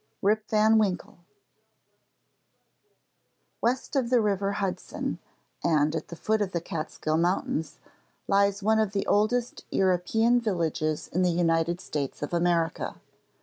RIP VAN WINKLE West of the river Hudson, and at the foot of the Catskill Mountains, lies one of the oldest European villages in the United States of America.